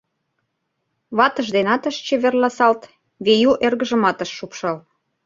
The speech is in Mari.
Ватыж денат ыш чеверласалт, Вею эргыжымат ыш шупшал...